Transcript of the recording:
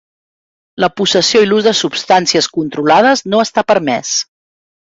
La possessió i l'ús de substàncies controlades no està permès.